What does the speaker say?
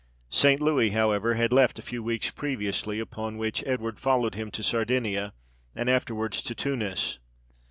St. Louis, however, had left a few weeks previously; upon which Edward followed him to Sardinia, and afterwards to Tunis.